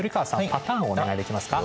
パターンお願いできますか？